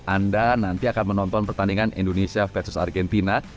anda nanti akan menonton pertandingan indonesia versus argentina